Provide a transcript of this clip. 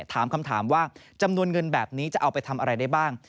ถามคำถามว่าจำนวนเงินแบบนี้จะเอาไปทำอะไรได้บ้าง